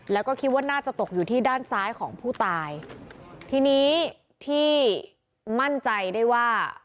แล้วก็คิดว่าน่าจะตกอยู่ที่ด้านซ้ายของผู้ตายทีนี้ที่มั่นใจได้ว่า